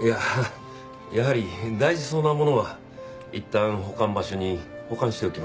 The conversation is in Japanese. いややはり大事そうなものはいったん保管場所に保管しておきます。